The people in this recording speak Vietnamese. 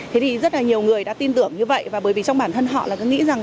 thế thì rất là nhiều người đã tin tưởng như vậy và bởi vì trong bản thân họ là cứ nghĩ rằng